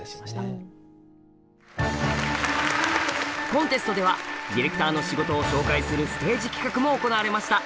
コンテストではディレクターの仕事を紹介するステージ企画も行われました。